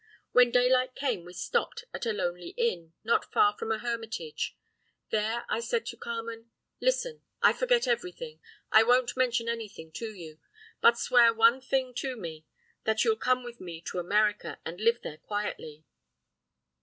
When daylight came we stopped at a lonely inn, not far from a hermitage. There I said to Carmen: "'Listen I forget everything, I won't mention anything to you. But swear one thing to me that you'll come with me to America, and live there quietly!